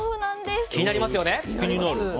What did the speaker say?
気になりますよね。